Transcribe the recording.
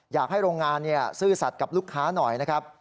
อยากให้โรงงานซื่อสัตว์กับลูกค้าหน่อยนะครับ